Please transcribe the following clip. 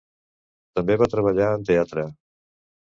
També va treballar en teatre.